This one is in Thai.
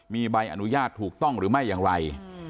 มีใบอนุญาตถูกต้องหรือไม่อย่างไร